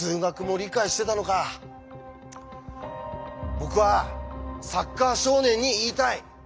僕はサッカー少年に言いたい。